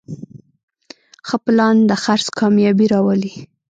ښه پلان د خرڅ کامیابي راولي.